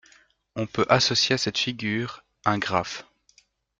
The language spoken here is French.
On peut associer à cette figure un graphe.